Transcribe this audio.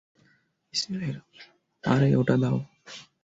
আরে ওটা দাও।